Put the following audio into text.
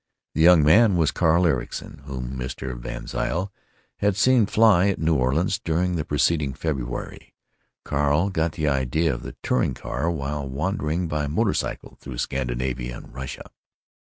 The young man was Carl Ericson, whom Mr. VanZile had seen fly at New Orleans during the preceding February. Carl had got the idea of the Touricar while wandering by motor cycle through Scandinavia and Russia.